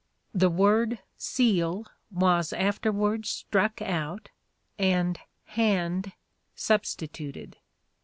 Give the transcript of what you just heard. The word " seal " was afterwards struck out and " hand " substituted.